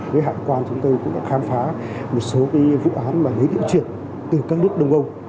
với hạn quan chúng tôi cũng đã khám phá một số vụ án và lấy điệu chuyển từ các nước đông âu